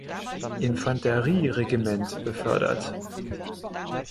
Infanterie-Regiment befördert.